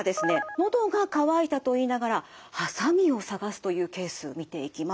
のどが渇いたと言いながらハサミをさがすというケース見ていきます。